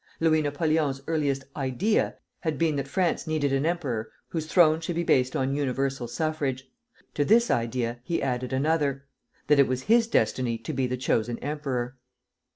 Louis Napoleon's earliest "idea" had been that France needed an emperor whose throne should be based on universal suffrage. To this "idea" he added another, that it was his destiny to be the chosen emperor.